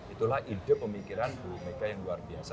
itulah ide pemikiran bumega yang luar biasa